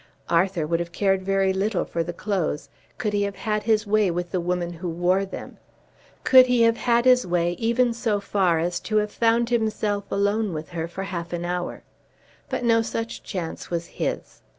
Arthur would have cared very little for the clothes could he have had his way with the woman who wore them, could he have had his way even so far as to have found himself alone with her for half an hour. But no such chance was his.